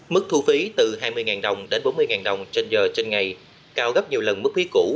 mức thu phí từ hai mươi đồng đến bốn mươi đồng trên giờ trên ngày cao gấp nhiều lần mức phí cũ